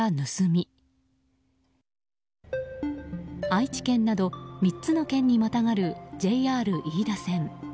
愛知県など３つの県にまたがるＪＲ飯田線。